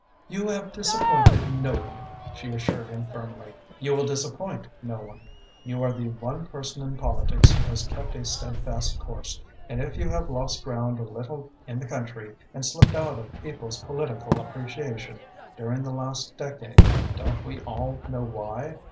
"You have disappointed no one," she assured him firmly. "You will disappoint no one. You are the one person in politics who has kept a steadfast course, and if you have lost ground a little in the country, and slipped out of people's political appreciation during the last decade, don't we all know why?